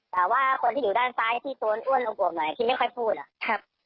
แต่ว่าคนที่อยู่ด้านซ้ำที่โตนอ้วนนิดหน่อยคือไม่ค่อยพูดอะ